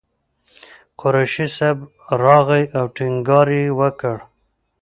قریشي صاحب راغی او ټینګار یې وکړ.